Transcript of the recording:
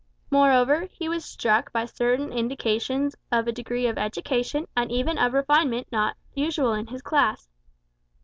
Moreover, he was struck by certain indications of a degree of education and even of refinement not usual in his class.